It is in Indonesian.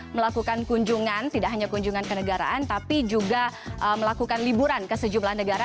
melakukan kunjungan tidak hanya kunjungan ke negaraan tapi juga melakukan liburan ke sejumlah negara